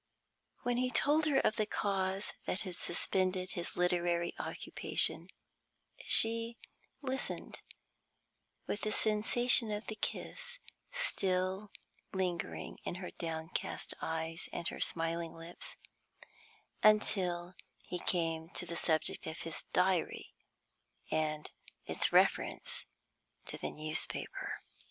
When he told her of the cause that had suspended his literary occupation, she listened, with the sensation of the kiss still lingering in her downcast eyes and her smiling lips, until he came to the subject of his Diary and its reference to the newspaper.